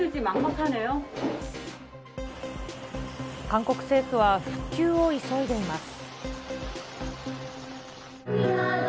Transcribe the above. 韓国政府は復旧を急いでいます。